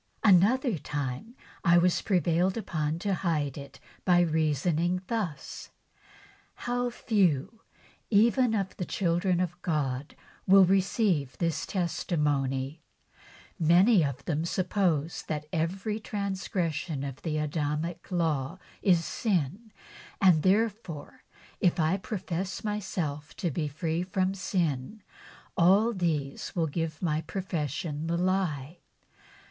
" At another time I was prevailed upon to hide it by reasoning thus :' How few even of the children of God TESTIFY TO THE BLESSING. 49 will receive this testimony ! Many of them suppose that every transgression of the Adamic law is sin, and therefore, if I profess myself to be free from sin, all these will give my profession the lie.